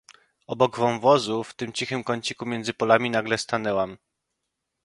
"Obok wąwozu, w tym cichym kąciku między polami nagle stanęłam."